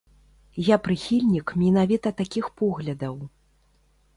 Я прыхільнік менавіта такіх поглядаў.